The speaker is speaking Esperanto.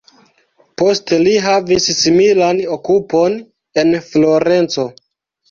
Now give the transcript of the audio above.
Poste li havis similan okupon en Florenco.